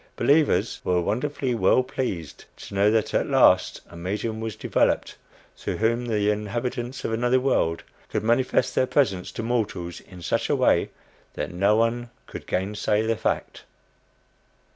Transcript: Believers were wonderfully well pleased to know that at last a medium was "developed" through whom the inhabitants of another world could manifest their presence to mortals in such a way that no one could gainsay the fact.